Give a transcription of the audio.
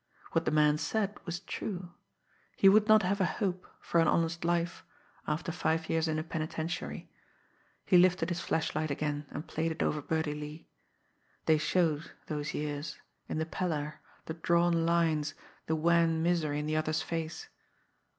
What the man said was true he would not have a hope for an honest life after five years in the penitentiary. He lifted his flashlight again and played it over Birdie Lee. They showed, those years, in the pallor, the drawn lines, the wan misery in the other's face.